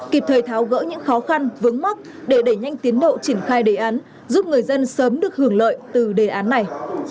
kịp thời tháo gỡ những khó khăn vướng mắt để đẩy nhanh tiến độ triển khai đề án giúp người dân sớm được hưởng lợi từ đề án này